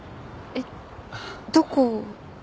えっどこを？